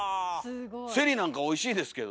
せりなんかおいしいですけどね。